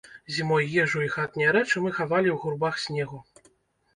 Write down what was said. Зімой ежу і хатнія рэчы мы хавалі ў гурбах снегу.